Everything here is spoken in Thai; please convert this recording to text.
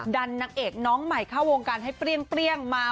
นางเอกน้องใหม่เข้าวงการให้เปรี้ยงมา